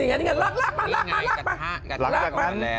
หลักจากนั้น